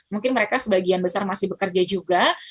mungkin mereka sebagian besar masih bekerja juga